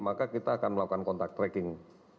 maka kita akan melakukan kontak tracking